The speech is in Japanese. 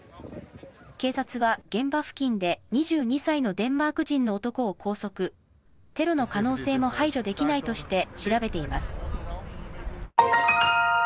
警察は現場付近で２２歳のデンマーク人の男を拘束、テロの可能性も排除できないとして調べています。